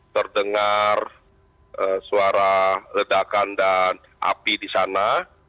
terdengar suara ledakan dan api di sana